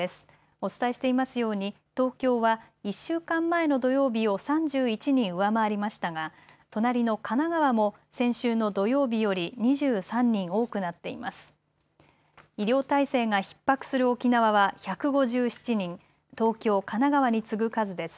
お伝えしていますように東京は１週間前の土曜日を３１人上回りましたが隣の神奈川も先週の土曜日より２３人多くなっています。